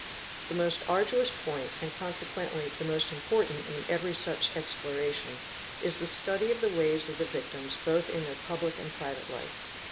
: The most arduous point and consequently the most important in every such exploration is the study of the ways of the victims both in their public and private life.